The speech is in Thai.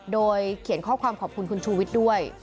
โดยเขียนข้อความขอบคุณคุณชูวิทย์ด้วย